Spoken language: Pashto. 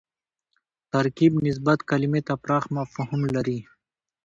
ترکیب نسبت کلیمې ته پراخ مفهوم لري